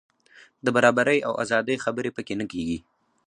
د برابرۍ او ازادۍ خبرې په کې نه کېږي.